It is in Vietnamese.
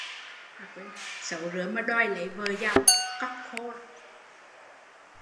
Xấu rứa mà đòi lấy vợ giàu, cóc khô